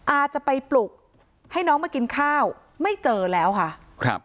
อาจจะไปปลุกให้น้องมากินข้าวไม่เจอแล้วค่ะครับ